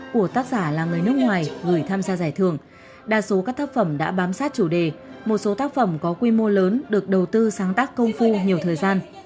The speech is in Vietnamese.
của tác giả là người nước ngoài gửi tham gia giải thưởng đa số các tác phẩm đã bám sát chủ đề một số tác phẩm có quy mô lớn được đầu tư sáng tác công phu nhiều thời gian